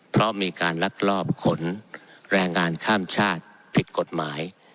เพราะมีการลักลอบขนแรงงานข้ามชาติผิดกฎหมาย